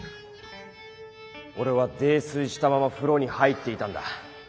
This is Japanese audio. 俺は泥酔したまま風呂に入っていたんだ。